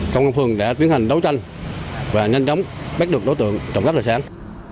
công an phường đã tiến hành đấu tranh và nhanh chóng bắt được đối tượng trộm cắp lời sáng